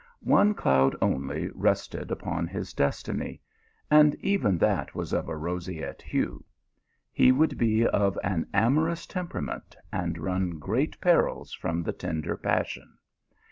One cloud only rested upon his destiny, and even that was of a roseate hue. He would be of an amorous temperament, and run great perils from the tender passion.